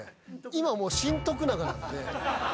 今はもう新・徳永なんで。